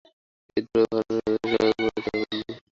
সেই দুরূহ সাধনায় ভারতবর্ষে নবযুগের আবির্ভাব হবে– পূর্ণ।